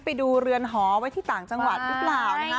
ไปดูเรือนหอไว้ใต้ต่างจังหวัดสิบเหรอเปล่า